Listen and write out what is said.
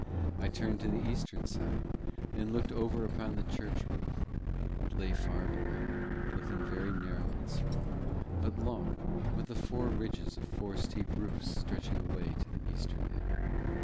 I turned to the eastern side, and looked over upon the church roof. It lay far below looking very narrow and small, but long, with the four ridges of four steep roofs stretching away to the eastern end.